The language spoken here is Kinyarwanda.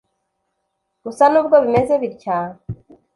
Gusa n’ubwo bimeze bitya